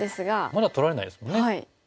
まだ取られないですもんね。